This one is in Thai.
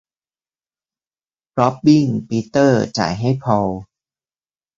ร็อบบิ้ง ปีเตอร์ จ่ายให้พอล